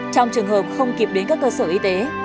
trong trường hợp không kịp đến các cơ sở y tế